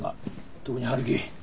特に陽樹。